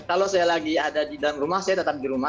kalau saya lagi ada di dalam rumah saya tetap di rumah